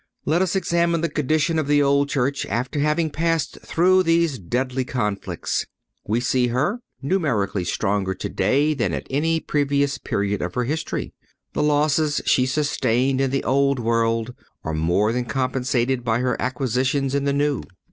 Let us examine the condition of the old Church after having passed through those deadly conflicts. We see her numerically stronger today than at any previous period of her history. The losses she sustained in the old world are more than compensated by her acquisitions in the new.